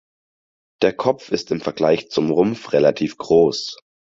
Der Kopf ist im Vergleich zum Rumpf relativ groß.